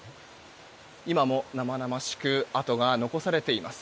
今も生々しく跡が残されています。